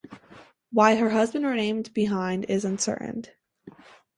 Why her husband remained behind is uncertain.